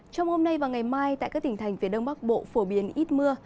trong hôm nay và ngày mai tại các tỉnh thành phía đông bắc bộ phổ biến ít mưa